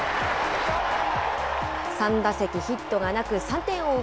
３打席ヒットがなく、３点を追う